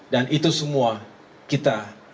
dan itu semua kita